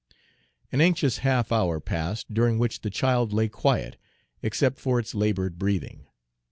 An anxious half hour passed, during which the child lay quiet, except for its labored breathing.